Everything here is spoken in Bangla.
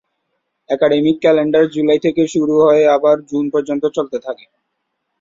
একাডেমিক ক্যালেন্ডার জুলাই থেকে শুরু হয়ে আবার জুন পর্যন্ত চলতে থাকে।